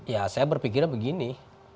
ya saya berpikir begini